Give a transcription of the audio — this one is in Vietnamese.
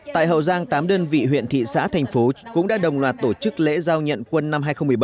tại hậu giang tám đơn vị huyện thị xã thành phố cũng đã đồng loạt tổ chức lễ giao nhận quân năm hai nghìn một mươi bảy